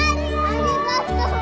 ありがとう。